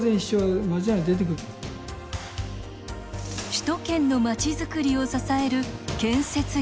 首都圏の街づくりを支える建設業。